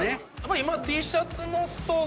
今。